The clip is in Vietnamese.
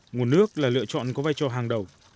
nguồn nước là lựa chọn có vai trò hàng đầu